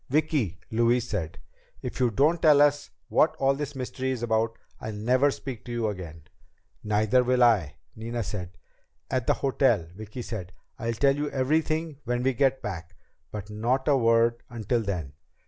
"Vicki," Louise said, "if you don't tell us what all this mystery is about, I'll never speak to you again." "Neither will I," Nina said. "At the hotel," Vicki said. "I'll tell you everything when we get back. But not a word until then."